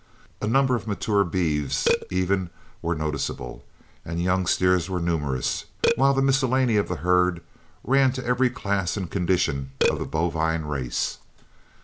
A number of mature beeves even were noticeable and younger steers were numerous, while the miscellany of the herd ran to every class and condition of the bovine race.